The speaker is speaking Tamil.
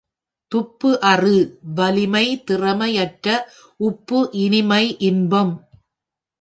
துப்பு அறு—வலிமை திறமை அற்ற, உப்பு—இனிமை, இன்பம்.